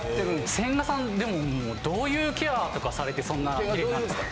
千賀さんでもどういうケアとかされてそんなキレイなんですか？